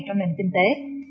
trong nền kinh tế